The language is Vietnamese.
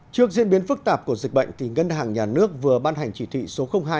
trước diễn biến phức tạp của dịch bệnh ngân hàng nhà nước vừa ban hành chỉ thị số hai